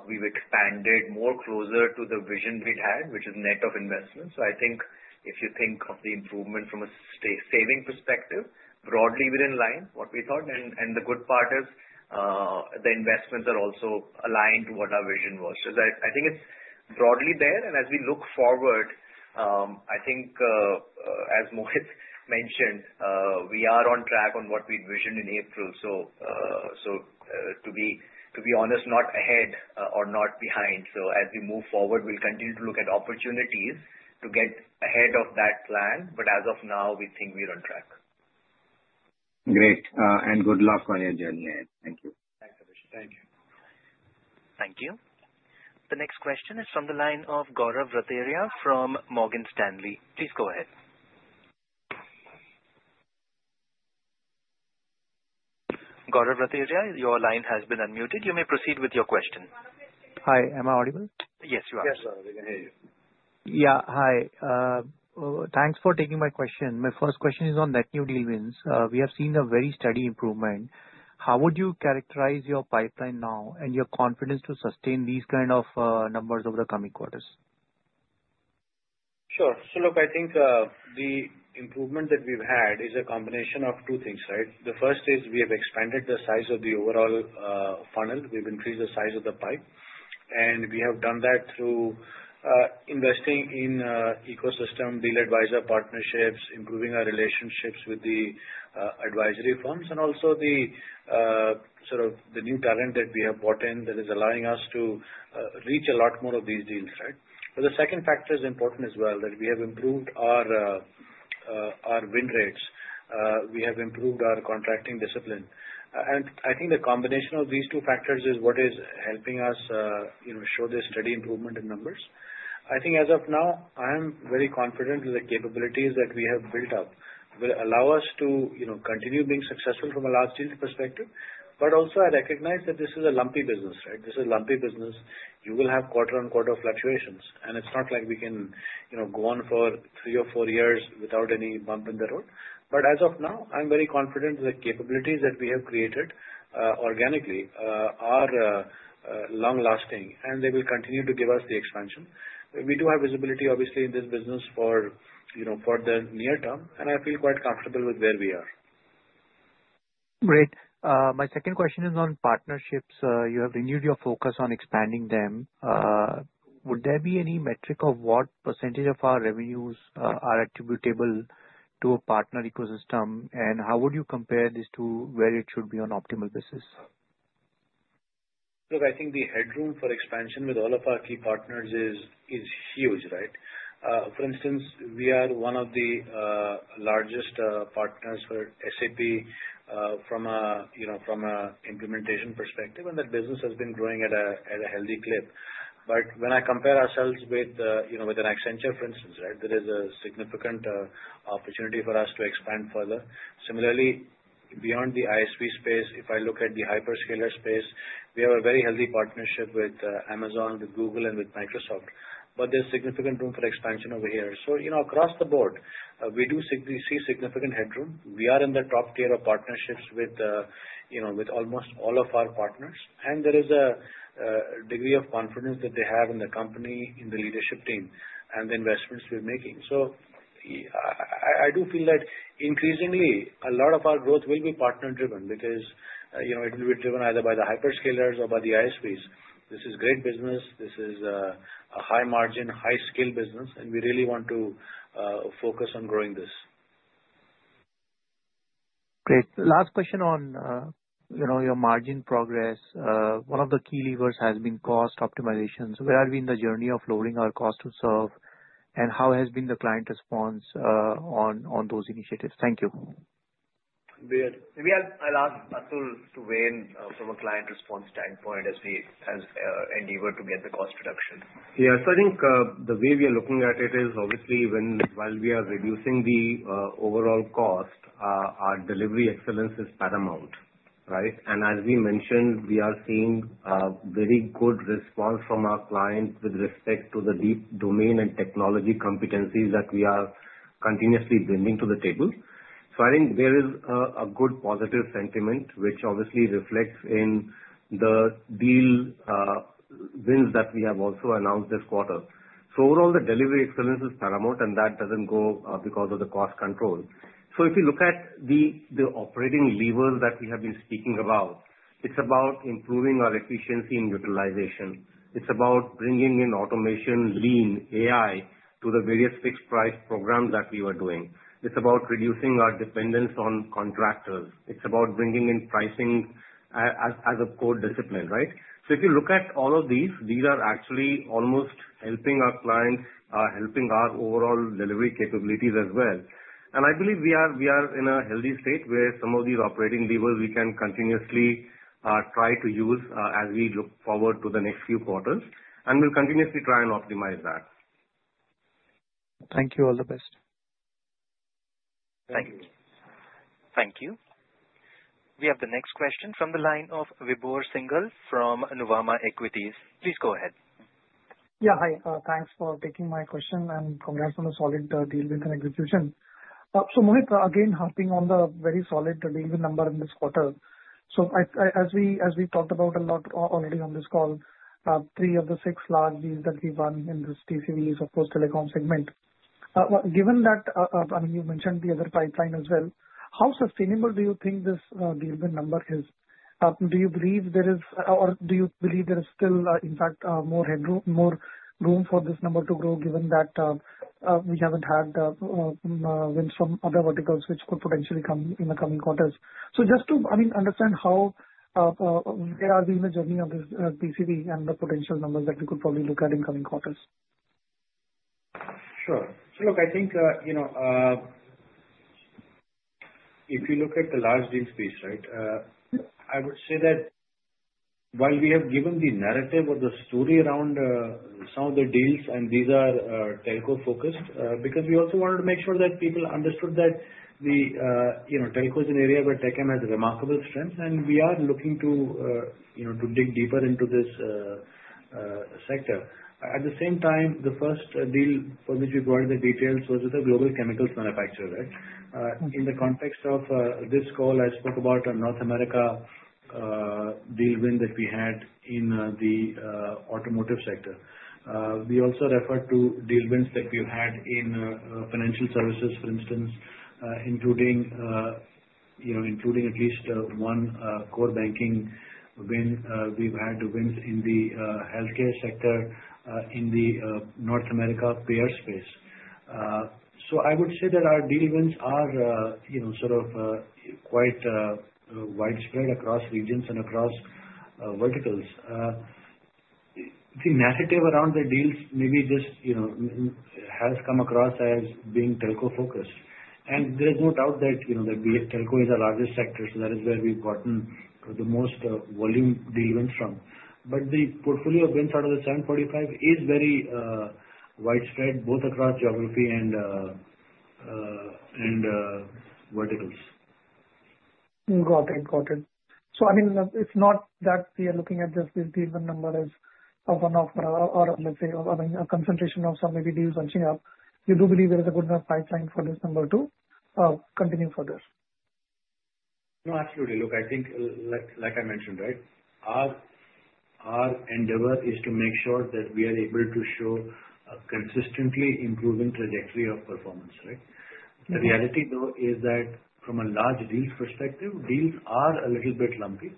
we've expanded more closer to the vision we had, which is net of investments. So I think if you think of the improvement from a saving perspective, broadly we're in line with what we thought. And the good part is the investments are also aligned to what our vision was. So I think it's broadly there. And as we look forward, I think as Mohit mentioned, we are on track on what we envisioned in April. So to be honest, not ahead or not behind. So as we move forward, we'll continue to look at opportunities to get ahead of that plan. But as of now, we think we're on track. Great. And good luck on your journey ahead. Thank you. Thanks, Abhishek. Thank you. Thank you. The next question is from the line of Gaurav Rateria from Morgan Stanley. Please go ahead. Gaurav Rateria, your line has been unmuted. You may proceed with your question. Hi. Am I audible? Yes, you are. Yes, sir. We can hear you. Yeah. Hi. Thanks for taking my question. My first question is on net new deal wins. We have seen a very steady improvement. How would you characterize your pipeline now and your confidence to sustain these kind of numbers over the coming quarters? Sure. So look, I think the improvement that we've had is a combination of two things, right? The first is we have expanded the size of the overall funnel. We've increased the size of the pipe. We have done that through investing in ecosystem, deal advisor partnerships, improving our relationships with the advisory firms, and also the sort of new talent that we have brought in that is allowing us to reach a lot more of these deals, right? But the second factor is important as well that we have improved our win rates. We have improved our contracting discipline. And I think the combination of these two factors is what is helping us show this steady improvement in numbers. I think as of now, I am very confident that the capabilities that we have built up will allow us to continue being successful from a large deal perspective. But also, I recognize that this is a lumpy business, right? This is a lumpy business. You will have quarter-on-quarter fluctuations. And it's not like we can go on for three or four years without any bump in the road. But as of now, I'm very confident that the capabilities that we have created organically are long-lasting, and they will continue to give us the expansion. We do have visibility, obviously, in this business for the near term. And I feel quite comfortable with where we are. Great. My second question is on partnerships. You have renewed your focus on expanding them. Would there be any metric of what percentage of our revenues are attributable to a partner ecosystem? And how would you compare this to where it should be on an optimal basis? Look, I think the headroom for expansion with all of our key partners is huge, right? For instance, we are one of the largest partners for SAP from an implementation perspective, and that business has been growing at a healthy clip. But when I compare ourselves with an Accenture, for instance, right, there is a significant opportunity for us to expand further. Similarly, beyond the ISV space, if I look at the hyperscaler space, we have a very healthy partnership with Amazon, with Google, and with Microsoft. But there's significant room for expansion over here. So across the board, we do see significant headroom. We are in the top tier of partnerships with almost all of our partners. And there is a degree of confidence that they have in the company, in the leadership team, and the investments we're making. So, I do feel that increasingly, a lot of our growth will be partner-driven because it will be driven either by the hyperscalers or by the ISVs. This is great business. This is a high-margin, high-skill business, and we really want to focus on growing this. Great. Last question on your margin progress. One of the key levers has been cost optimization. So where are we in the journey of lowering our cost to serve? And how has been the client response on those initiatives? Thank you. Good. Maybe I'll ask Atul to weigh in from a client response standpoint as we endeavor to get the cost reduction. Yeah. So I think the way we are looking at it is obviously while we are reducing the overall cost, our delivery excellence is paramount, right? As we mentioned, we are seeing very good response from our clients with respect to the deep domain and technology competencies that we are continuously bringing to the table. I think there is a good positive sentiment, which obviously reflects in the deal wins that we have also announced this quarter. Overall, the delivery excellence is paramount, and that doesn't go because of the cost control. If you look at the operating levers that we have been speaking about, it's about improving our efficiency and utilization. It's about bringing in automation, lean, AI to the various fixed-price programs that we were doing. It's about reducing our dependence on contractors. It's about bringing in pricing as a core discipline, right? If you look at all of these, these are actually almost helping our clients, helping our overall delivery capabilities as well. And I believe we are in a healthy state where some of these operating levers we can continuously try to use as we look forward to the next few quarters. And we'll continuously try and optimize that. Thank you. All the best. Thank you. Thank you. We have the next question from the line of Vibhor Singal from Nuvama Equities. Please go ahead. Yeah. Hi. Thanks for taking my question and congrats on the solid deal wins and execution. So Mohit, again, harping on the very solid deal win number in this quarter. So as we've talked about a lot already on this call, three of the six large deals that we've done in this TMT is, of course, telecom segment. Given that, I mean, you mentioned the other pipeline as well, how sustainable do you think this deal win number is? Do you believe there is, or do you believe there is still, in fact, more room for this number to grow given that we haven't had wins from other verticals, which could potentially come in the coming quarters? So just to, I mean, understand how, where are we in the journey of this TCV and the potential numbers that we could probably look at in coming quarters? Sure. So look, I think if you look at the large deal space, right, I would say that while we have given the narrative or the story around some of the deals, and these are telco-focused, because we also wanted to make sure that people understood that telco is an area where TechM has remarkable strength, and we are looking to dig deeper into this sector. At the same time, the first deal for which we provided the details was with a global chemicals manufacturer, right? In the context of this call, I spoke about a North America deal win that we had in the automotive sector. We also referred to deal wins that we've had in financial services, for instance, including at least one core banking win we've had two wins in the healthcare sector in the North America payer space. So I would say that our deal wins are sort of quite widespread across regions and across verticals. The narrative around the deals maybe just has come across as being telco-focused. And there is no doubt that telco is a large sector, so that is where we've gotten the most volume deal wins from. But the portfolio of wins out of the 745 is very widespread both across geography and verticals. Got it. Got it. So I mean, it's not that we are looking at just this deal with number as one of, or let's say, I mean, a concentration of some maybe deals bunching up. You do believe there is a good enough pipeline for this number to continue further? No, absolutely. Look, I think, like I mentioned, right, our endeavor is to make sure that we are able to show a consistently improving trajectory of performance, right? The reality, though, is that from a large deals perspective, deals are a little bit lumpy.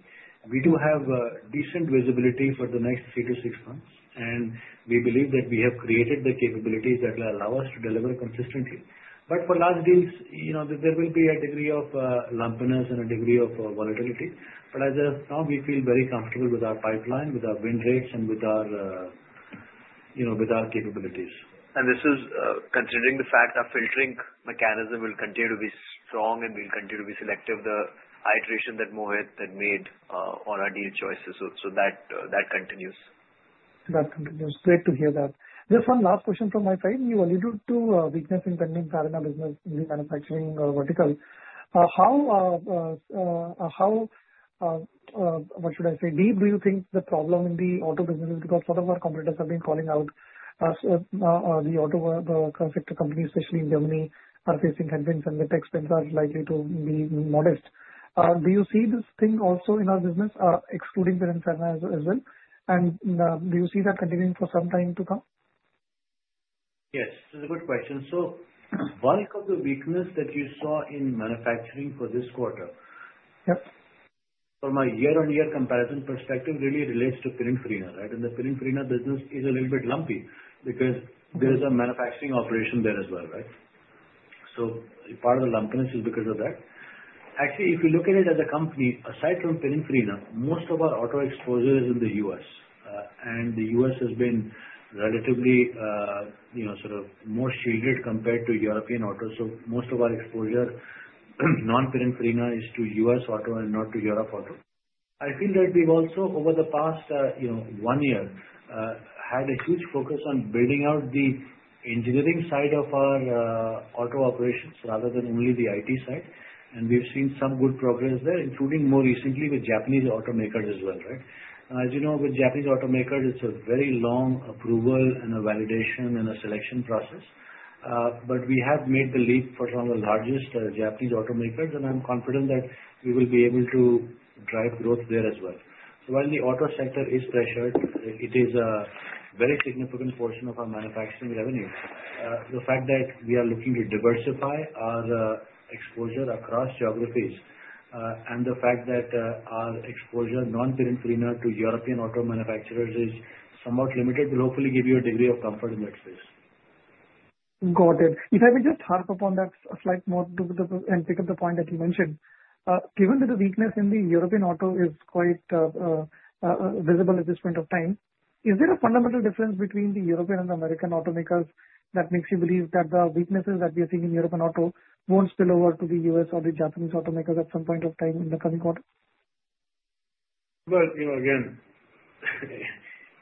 We do have decent visibility for the next three-to-six months, and we believe that we have created the capabilities that will allow us to deliver consistently. But for large deals, there will be a degree of lumpiness and a degree of volatility. But as of now, we feel very comfortable with our pipeline, with our win rates, and with our capabilities. And this is considering the fact our filtering mechanism will continue to be strong and will continue to be selective, the iteration that Mohit had made on our deal choices. So that continues. Great to hear that. Just one last question from my side. You alluded to weakness in Pininfarina business in the manufacturing vertical. How, what should I say, deep do you think the problem in the auto business is because some of our competitors have been calling out the auto sector companies, especially in Germany, are facing headwinds, and the tech spend are likely to be modest? Do you see this thing also in our business, excluding Pininfarina as well? And do you see that continuing for some time to come? Yes. This is a good question. The bulk of the weakness that you saw in manufacturing for this quarter, from a year-on-year comparison perspective, really relates to Pininfarina, right? And the Pininfarina business is a little bit lumpy because there is a manufacturing operation there as well, right? So part of the lumpiness is because of that. Actually, if you look at it as a company, aside from Pininfarina, most of our auto exposure is in the U.S. And the U.S. has been relatively sort of more shielded compared to European auto. So most of our exposure, non-Pininfarina, is to U.S. auto and not to European auto. I feel that we've also, over the past one year, had a huge focus on building out the engineering side of our auto operations rather than only the IT side. We've seen some good progress there, including more recently with Japanese automakers as well, right? As you know, with Japanese automakers, it's a very long approval and a validation and a selection process. But we have made the leap for some of the largest Japanese automakers, and I'm confident that we will be able to drive growth there as well. So while the auto sector is pressured, it is a very significant portion of our manufacturing revenue. The fact that we are looking to diversify our exposure across geographies and the fact that our exposure, non-Pininfarina, to European auto manufacturers is somewhat limited will hopefully give you a degree of comfort in that space. Got it. If I may just harp upon that slightly more and pick up the point that you mentioned, given that the weakness in the European auto is quite visible at this point of time, is there a fundamental difference between the European and American automakers that makes you believe that the weaknesses that we are seeing in European auto won't spill over to the U.S. or the Japanese automakers at some point of time in the coming quarter? Well, again,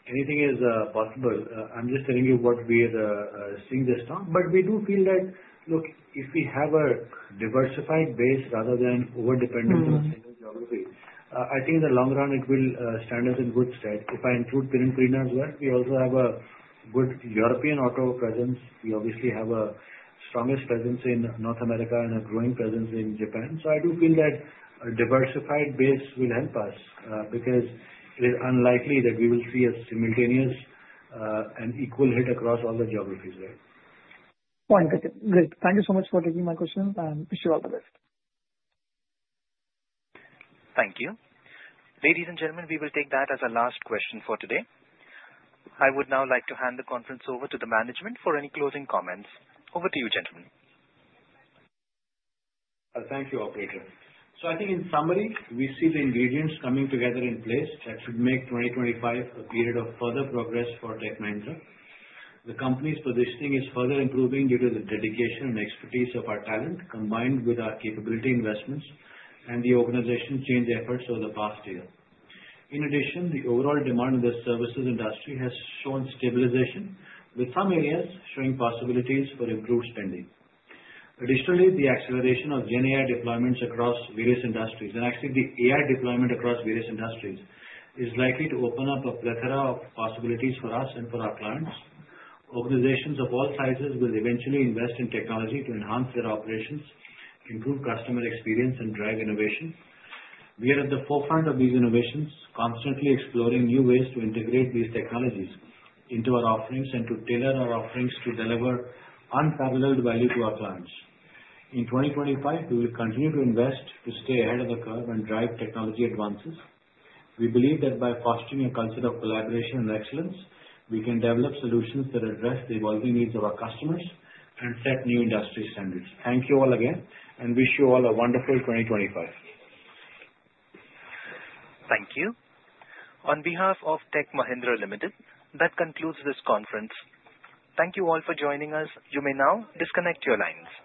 anything is possible. I'm just telling you what we are seeing this time. But we do feel that, look, if we have a diversified base rather than over-dependence on a single geography, I think in the long run, it will stand us in good stead. If I include Pininfarina as well, we also have a good European auto presence. We obviously have the strongest presence in North America and a growing presence in Japan. So I do feel that a diversified base will help us because it is unlikely that we will see a simultaneous and equal hit across all the geographies, right? Wonderful. Great. Thank you so much for taking my questions. I wish you all the best. Thank you. Ladies and gentlemen, we will take that as a last question for today. I would now like to hand the conference over to the management for any closing comments. Over to you, gentlemen. Thank you, Operator. So I think in summary, we see the ingredients coming together in place that should make 2025 a period of further progress for Tech Mahindra. The company's positioning is further improving due to the dedication and expertise of our talent combined with our capability investments and the organization's change efforts over the past year. In addition, the overall demand in the services industry has shown stabilization, with some areas showing possibilities for improved spending. Additionally, the acceleration of GenAI deployments across various industries, and actually the AI deployment across various industries, is likely to open up a plethora of possibilities for us and for our clients. Organizations of all sizes will eventually invest in technology to enhance their operations, improve customer experience, and drive innovation. We are at the forefront of these innovations, constantly exploring new ways to integrate these technologies into our offerings and to tailor our offerings to deliver unparalleled value to our clients. In 2025, we will continue to invest to stay ahead of the curve and drive technology advances. We believe that by fostering a culture of collaboration and excellence, we can develop solutions that address the evolving needs of our customers and set new industry standards. Thank you all again, and wish you all a wonderful 2025. Thank you. On behalf of Tech Mahindra Limited, that concludes this conference. Thank you all for joining us. You may now disconnect your lines.